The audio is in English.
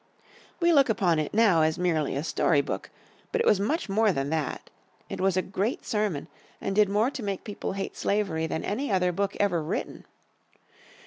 We look upon it now as merely a story book. But it was much more than that. It was a great sermon and did more to make people hate slavery than any other book ever written.